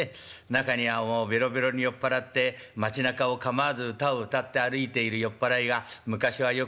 中にはもうベロベロに酔っ払って町なかを構わず歌を歌って歩いている酔っ払いが昔はよくおりまして。